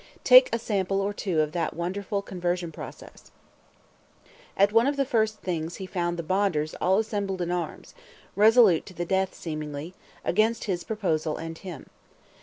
Take a sample or two of that wonderful conversion process: At one of his first Things he found the Bonders all assembled in arms; resolute to the death seemingly, against his proposal and him.